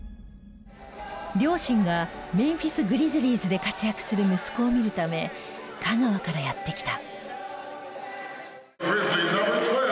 両親がメンフィス・グリズリーズで活躍する息子を見るため香川からやって来た。